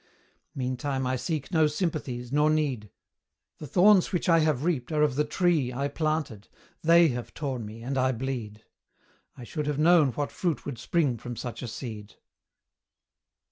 Meantime I seek no sympathies, nor need; The thorns which I have reaped are of the tree I planted, they have torn me, and I bleed: I should have known what fruit would spring from such a seed.